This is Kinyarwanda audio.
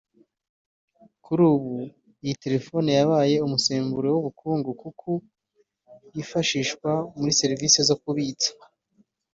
Kuri ubu iyi telefoni yabaye umusemburo w’ubukungu kuko yifashishwa muri serivisi zo kubitsa